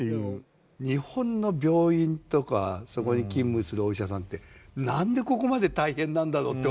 日本の病院とかそこに勤務するお医者さんって何でここまで大変なんだろうと。